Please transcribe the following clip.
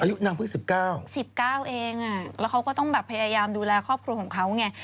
อายุนางคือ๑๙แล้วเขาก็ต้องพยายามดูแลครอบครัวของเขาไง